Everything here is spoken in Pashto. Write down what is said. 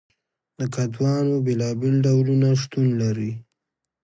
د کدوانو بیلابیل ډولونه شتون لري.